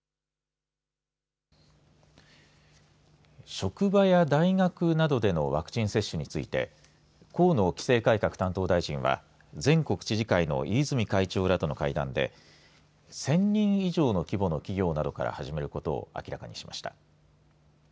職場や大学などでのワクチン接種について河野規制改革担当大臣は全国知事会の飯泉会長らとの会談で１０００人以上の規模の企業などから始めることを明らかにしました。